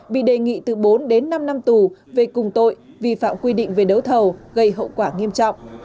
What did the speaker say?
bị đề nghị từ bốn đến năm năm tù về cùng tội vi phạm quy định về đấu thầu gây hậu quả nghiêm trọng